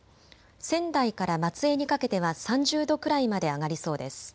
仙台から松江にかけては３０度くらいまで上がりそうです。